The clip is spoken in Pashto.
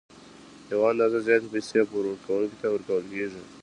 یوه اندازه زیاتې پیسې پور ورکوونکي ته ورکول کېږي